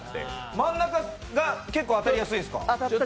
真ん中が結構当たりやすいんすか？